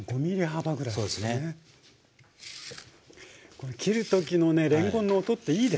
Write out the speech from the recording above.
これ切る時のねれんこんの音っていいですね。